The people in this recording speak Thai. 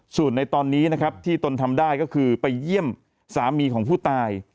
ส่วนในตอนนี้นะครับที่ตนทำได้ก็คือไปเยี่ยมสามีของผู้ตาย